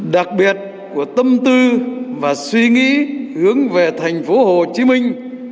đặc biệt của tâm tư và suy nghĩ hướng về thành phố hồ chí minh